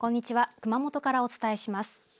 熊本からお伝えします。